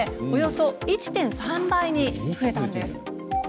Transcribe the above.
およそ１．３倍になったんです。